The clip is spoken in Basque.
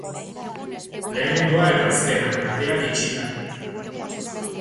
Lehenengoa eta azkena, ateak itxita.